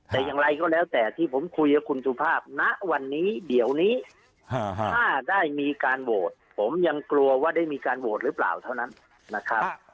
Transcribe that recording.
แต่อย่างไรก็แล้วแต่ที่ผมคุยกับคุณสุภาพณวันนี้เดี๋ยวนี้ถ้าได้มีการโหวตผมยังกลัวว่าได้มีการโหวตหรือเปล่าเท่านั้นนะครับ